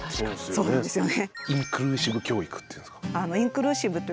そうなんですね。